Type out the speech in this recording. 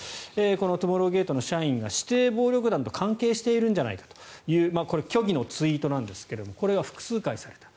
このトゥモローゲートの社員が指定暴力団と関係しているんじゃないかというこれ、虚偽のツイートですがこれが複数回された。